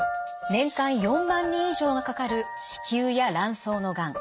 年間４万人以上がかかる子宮や卵巣のがん。